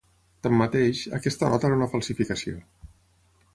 Tanmateix, aquesta nota era una falsificació.